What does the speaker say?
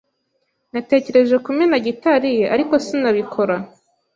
Natekereje kumena gitari ye, ariko sinabikora.